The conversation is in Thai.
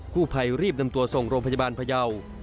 ผู้ภัยรีบนำตัวส่งโรงพยาบาลพยาว